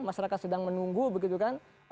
masyarakat sedang menunggu begitu kan